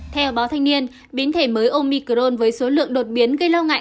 theo báo thanh niên biến thể mới omicrone với số lượng đột biến gây lo ngại